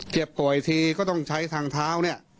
เก็บป่วยทีก็ต้องใช้ทางเท้า